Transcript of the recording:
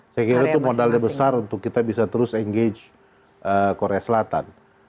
saya kira itu modalnya besar untuk kita bisa terus engage korea selatan